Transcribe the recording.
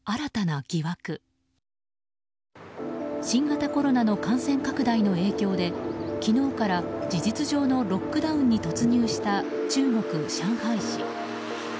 新型コロナの感染拡大の影響で昨日から事実上のロックダウンに突入した中国・上海市。